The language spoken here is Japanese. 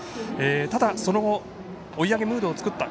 ただ、その後追い上げムードを作った。